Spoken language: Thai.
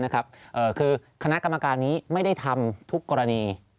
คือคณะกรรมการนี้ไม่ได้ทำทุกกรณี